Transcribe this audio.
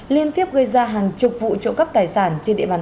liên tiếp gây ra hàng chục vụ trộm cắp tài sản